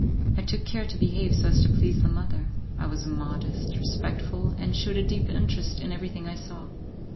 I took care to behave so as to please the mother; I was modest, respectful, and shewed a deep interest in everything I saw.